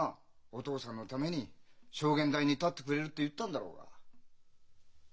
お父さんのために証言台に立ってくれるって言ったんだろうが。